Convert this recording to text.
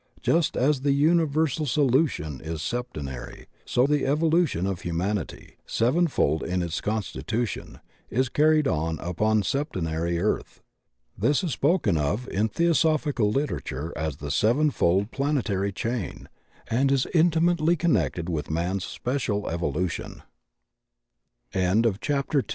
Just as the imiversal evolution is septenary, so the evolution of humanity, sevenfold in its constitution, is carried on upon a septenary Earth. This is spoken of in Theo sophical literature as the Sevenfold Planetary Chain, and is intimately connected with Man's specia